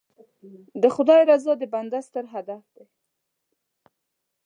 د خدای رضا د بنده ستر هدف دی.